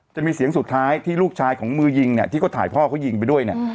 จะมีเสียงสุดท้ายที่ลูกชายของมือยิงเนี่ยที่เขาถ่ายพ่อเขายิงไปด้วยเนี่ย